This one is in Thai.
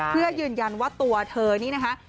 เพื่อยืนยันว่าตัวเธอนี่นะคะ